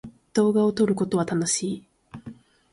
動画を撮ることは楽しい。